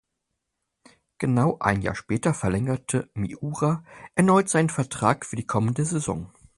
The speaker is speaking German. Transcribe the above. Genau ein Jahr später verlängerte Miura erneut seinen Vertrag für die kommende Saison.